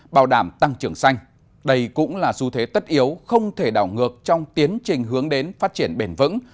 bảo đảm tăng trưởng xanh đây cũng là xu thế tất yếu không thể đảo ngược trong tiến trình hướng đến phát triển bền vững